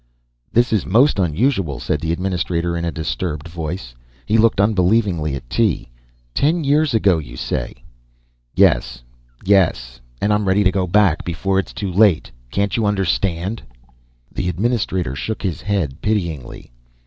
"This is most unusual," said the administrator in a disturbed voice. He looked unbelievingly at Tee. "Ten years ago you say?" "Yes! Yes! And I'm ready to go back, before it's too late. Can't you understand?" The administrator shook his head pityingly.